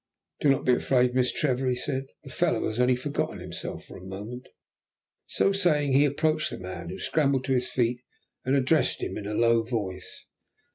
"Do not be afraid, Miss Trevor," he said; "the fellow has only forgotten himself for a moment." So saying he approached the man, who scrambled to his feet, and addressed him in a low voice.